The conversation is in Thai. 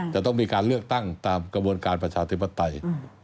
จะต้องมีการเลือกตั้งตามกระบวนการประชาธิปไตย